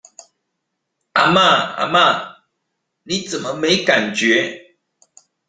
阿嬤阿嬤，你怎麼沒感覺？